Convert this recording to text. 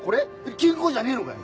金庫じゃねえのかよ！